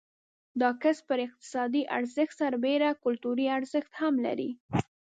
دا کسب پر اقتصادي ارزښت سربېره کلتوري ارزښت هم لري.